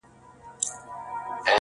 رقیبانو په پېغور ډېر په عذاب کړم؛